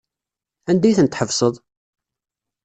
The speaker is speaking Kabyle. Anda ay ten-tḥebseḍ?